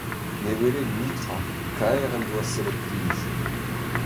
Ne wele netra, kaer en doa sellet pizh.